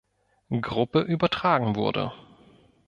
Gruppe übertragen wurde.